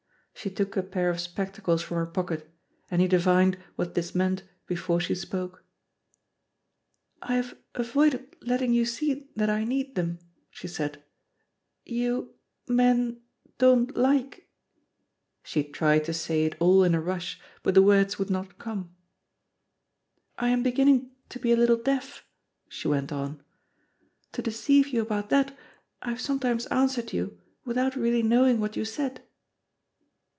She took a pair of spectacles from her pocket, and he divined what this meant before she spoke. "I have avoided letting you see that I need them," she said. "You men don't like " She tried to say it all in a rush, but the words would not come. "I am beginning to be a little deaf," she went on. "To deceive you about that, I have sometimes answered you without really knowing what you said."